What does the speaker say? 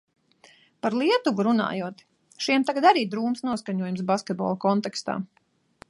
Par Lietuvu runājot, šiem tagad arī drūms noskaņojums basketbola kontekstā.